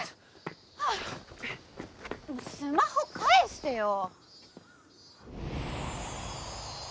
ハァスマホ返してよ！